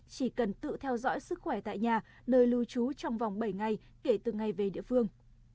chỉ cần tự theo dõi sức khỏe tại nhà nơi lưu trú trong vòng bảy ngày kể từ ngày về địa phương